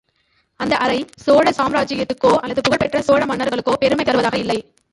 அந்த அறை சோழ சாம்ராஜ்யத்துக்கோ அல்லது புகழ் பெற்ற சோழ மன்னர்களுக்கோ பெருமை தருவதாக இல்லை.